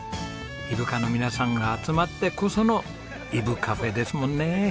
伊深の皆さんが集まってこそのいぶカフェですもんね。